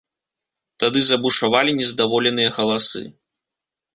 Тады забушавалі нездаволеныя галасы.